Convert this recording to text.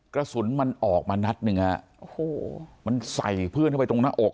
กระสุนมันออกมานัดหนึ่งฮะโอ้โหมันใส่เพื่อนเข้าไปตรงหน้าอก